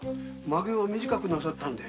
マゲを短くなさったんで。